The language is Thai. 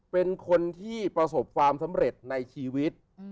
เป็นคนที่ประสบความสำเร็จในชีวิต